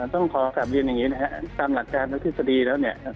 ต้องขอกลับเรียนอย่างนี้นะครับตามหลักการทางทฤษฎีแล้วเนี่ย